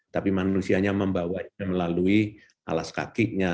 tapi manusianya membawanya melalui alas kakinya